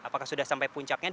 apakah sudah sampai puncaknya